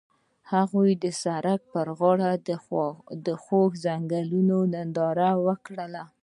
هغوی د سړک پر غاړه د خوږ ځنګل ننداره وکړه.